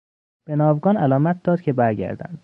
به ناوگان علامت داد که برگردند.